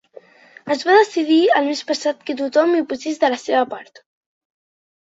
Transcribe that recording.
Es va decidir el mes passat que tothom hi posés de la seva part